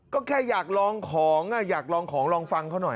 ก็แค่อยากลองของอยากลองของลองฟังเขาหน่อย